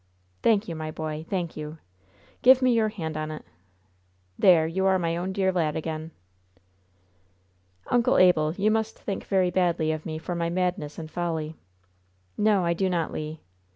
"Thank you, my boy, thank you! Give me your hand on it! There, you are my own dear lad again!" "Uncle Abel, you must think very badly of me for my madness and folly." "No, I do not, Le.